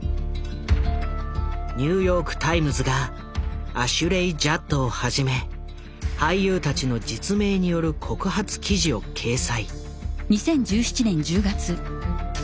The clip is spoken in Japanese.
ニューヨーク・タイムズがアシュレイ・ジャッドをはじめ俳優たちの実名による告発記事を掲載。